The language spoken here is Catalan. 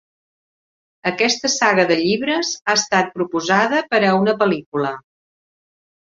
Aquesta saga de llibres ha estat proposada per a una pel·lícula.